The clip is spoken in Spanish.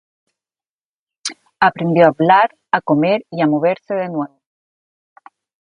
Aprendió a hablar, a comer y a moverse de nuevo.